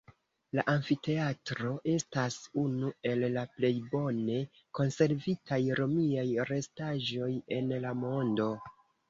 La amfiteatro estas unu el la plej bone konservitaj romiaj restaĵoj en la mondo.